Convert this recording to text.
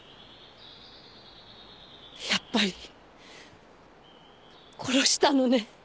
やっぱり殺したのね。